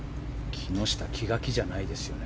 木下は気が気じゃないですね。